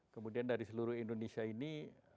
kemudian dari seluruh indonesia ini